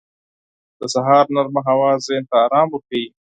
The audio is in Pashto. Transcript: • د سهار نرمه هوا ذهن ته آرام ورکوي.